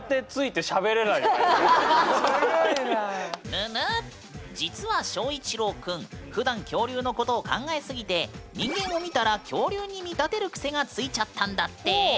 ぬぬっ実は翔一郎くんふだん恐竜のことを考えすぎて人間を見たら恐竜に見立てる癖がついちゃったんだって。